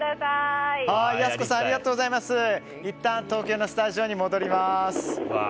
いったん、東京のスタジオに戻ります。